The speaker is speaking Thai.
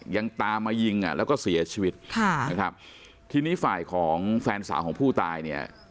ยังตามมายิงอ่ะแล้วก็เสียชีวิตค่ะนะครับทีนี้ฝ่ายของแฟนสาวของผู้ตายเนี่ย